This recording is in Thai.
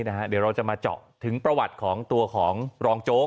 เดี๋ยวเราจะมาเจาะถึงประวัติของตัวของรองโจ๊ก